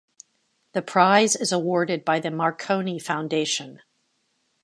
The prize is awarded by the Marconi Foundation.